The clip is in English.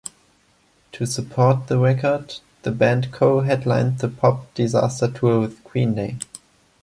To support the record, the band co-headlined the Pop Disaster Tour with Green Day.